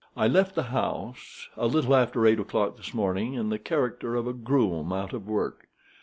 I left the house a little after eight o'clock this morning in the character of a groom out of work.